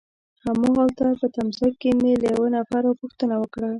هماغلته په تمځای کي مې له یوه نفر پوښتنه وکړه.